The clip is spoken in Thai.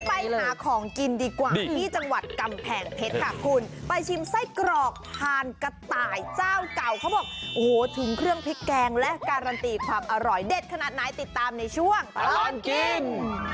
ไปหาของกินดีกว่าที่จังหวัดกำแพงเพชรค่ะคุณไปชิมไส้กรอกทานกระต่ายเจ้าเก่าเขาบอกโอ้โหถึงเครื่องพริกแกงและการันตีความอร่อยเด็ดขนาดไหนติดตามในช่วงตลอดกิน